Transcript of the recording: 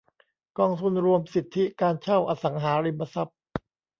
กองทุนรวมสิทธิการเช่าอสังหาริมทรัพย์